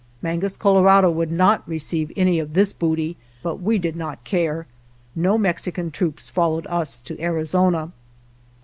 Mangus Colorado would not receive any of this booty, but we did not care. No Mex ican troops followed us to Arizona.